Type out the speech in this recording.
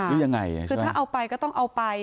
คือถ้าเอาไปก็ต้องเอาไป